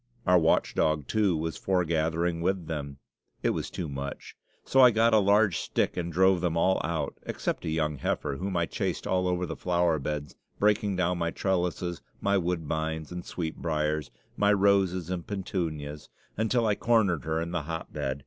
Our watch dog, too, was foregathering with them. It was too much; so I got a large stick and drove them all out, except a young heifer, whom I chased all over the flower beds, breaking down my trellises, my woodbines and sweet briers, my roses and petunias, until I cornered her in the hotbed.